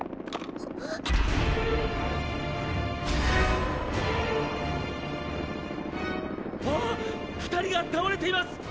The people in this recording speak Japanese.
ああっ２人が倒れています！